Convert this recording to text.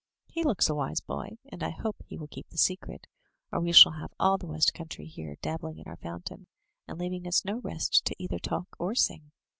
He looks a wise boy, and I hope he will keep the secret, or we shall have all the west coimtry here, dabbling in our fountain, and leaving us no rest to either talk or sing."